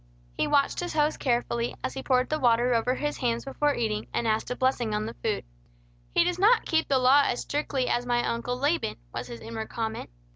He watched his host carefully, as he poured the water over his hands before eating, and asked a blessing on the food. "He does not keep the law as strictly as my Uncle Laban," was his inward comment.